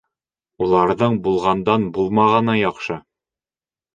Уларҙың булғандан булмағаны яҡшы.